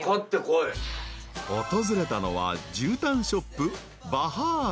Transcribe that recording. ［訪れたのはじゅうたんショップ］